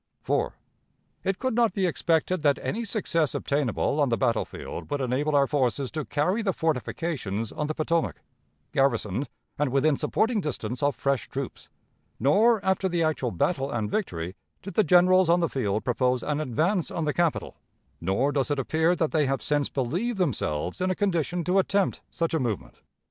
"4. It could not be expected that any success obtainable on the battle field would enable our forces to carry the fortifications on the Potomac, garrisoned, and within supporting distance of fresh troops; nor after the actual battle and victory did the generals on the field propose an advance on the capital, nor does it appear that they have since believed themselves in a condition to attempt such a movement.